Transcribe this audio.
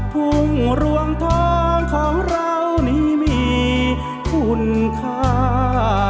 พุ่งรวมทองของเรานี้มีคุณค่า